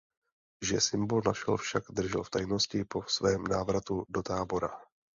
Že symbol našel však držel v tajnosti po svém návratu do tábora.